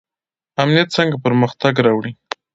امنیت څنګه پرمختګ راوړي؟